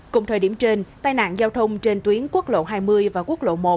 cùng thời điểm trên tai nạn giao thông trên tuyến quốc lộ hai mươi và quốc lộ một